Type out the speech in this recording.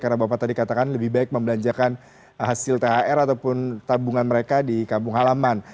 karena bapak tadi katakan lebih baik membelanjakan hasil thr ataupun tabungan mereka di kampung halaman